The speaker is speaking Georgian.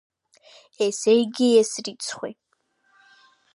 ესე იგი, ეს რიცხვი.